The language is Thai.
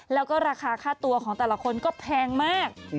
แล้วก็ราคาค่าตัวของแต่ละคนก็แพงมาก